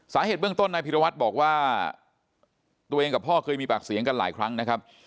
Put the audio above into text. สาเหตุเบื้องต้นนายพิรวัตรบอกว่าตัวเองกับพ่อเคยมีปากเสียงกันหลายครั้งนะครับ